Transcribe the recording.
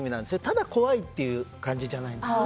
ただ怖いという感じじゃないんです。